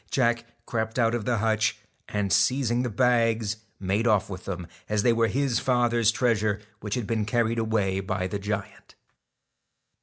Jack crept out of the hutch, and, seizing the bags, made off with them, as they were his father's treasure which had been carried away by the giant.